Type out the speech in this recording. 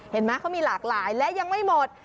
เห็นไหมเขามีหลากหลายและยังไม่หมด